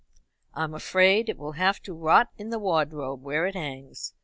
I'm afraid it will have to rot in the wardrobe where it hangs.